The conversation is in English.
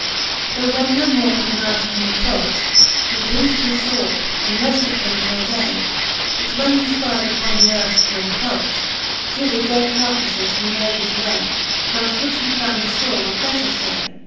XLVII. Tho when no more could nigh to him approch, . He breath'd his fword, and refted him till day : Which when he fpyde upon the earth t'encroch,, Through the dead carcafes; he made his way ; Mongft which he found a fword of better fay